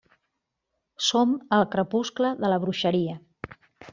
Som al crepuscle de la bruixeria.